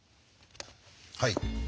はい。